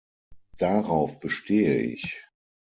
Darauf bestehe ich.